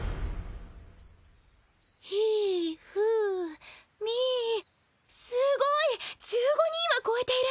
ひぃふぅみぃすごい ！１５ 人は超えている！